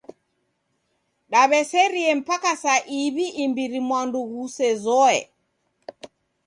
Daw'eserie mpaka saa iw'i imbiri mwandu ghusezoe.